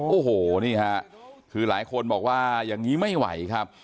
โอ้โหนี่ฮะคือหลายคนบอกว่าอย่างนี้ไม่ไหวครับ